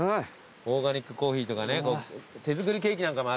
オーガニックコーヒーとかね手作りケーキなんかもあるから。